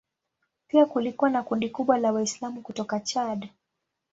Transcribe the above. Pia kulikuwa na kundi kubwa la Waislamu kutoka Chad.